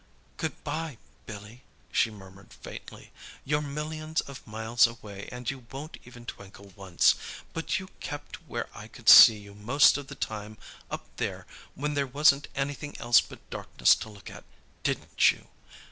"Good bye, Billy," she murmured faintly. "You're millions of miles away and you won't even twinkle once. But you kept where I could see you most of the time up there when there wasn't anything else but darkness to look at, didn't you?